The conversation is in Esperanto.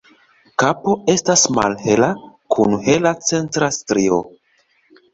Kapo estas malhela kun hela centra strio.